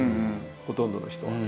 ほとんどの人は。